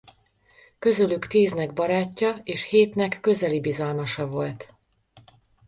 Közülük tíznek barátja és hétnek közeli bizalmasa volt.